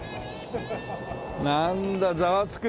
なんだ『ザワつく！